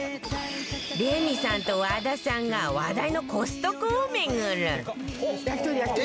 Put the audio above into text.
レミさんと和田さんが話題のコストコを巡る